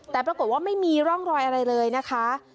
แต่ปรากฏว่าไม่มีร่องรอยอะไรเลยนะคะ